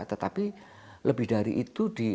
tetapi lebih dari itu